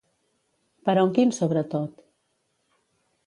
Però en quin sobretot?